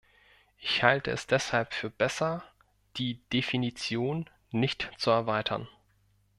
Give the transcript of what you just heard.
Ich halte es deshalb für besser, die Definition nicht zu erweitern.